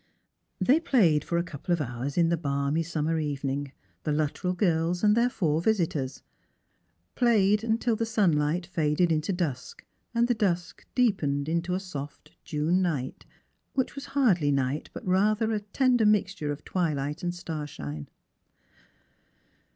They played for a couple of hours in the balmy summer evening, the Luttrell girls and their four visitors — played till the sunlight faded into dusk, and the dusk deepened into the 20 Strangers and Pilgrims, Boft June night — which was hardly night, but rather a tender mixture of twihght and starshine.